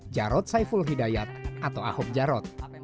jarod saiful hidayat atau ahok jarot